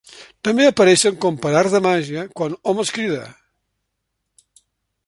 També apareixen com per art de màgia quan hom els crida.